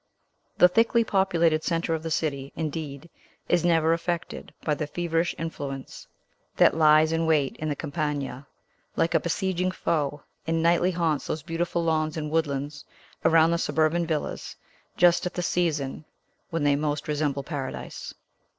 The thickly populated centre of the city, indeed, is never affected by the feverish influence that lies in wait in the Campagna, like a besieging foe, and nightly haunts those beautiful lawns and woodlands, around the suburban villas, just at the season when they most resemble Paradise.